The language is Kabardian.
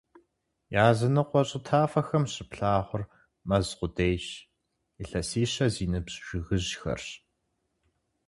Языныкъуэ щӀы тафэхэм щыплъагъур мэз къудейщ, илъэсищэ зи ныбжь жыгыжьхэрщ.